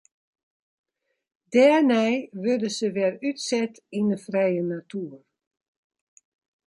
Dêrnei wurde se wer útset yn de frije natoer.